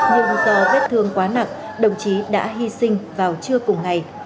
nhưng do vết thương quá nặng đồng chí đã hy sinh vào trưa cùng ngày